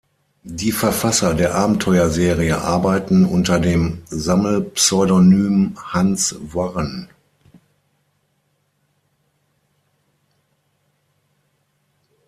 Die Verfasser der Abenteuerserie arbeiteten unter dem Sammelpseudonym Hans Warren.